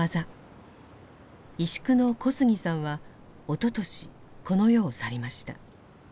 石工の小杉さんはおととしこの世を去りました。